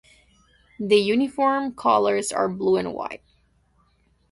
The uniform colours are blue and white.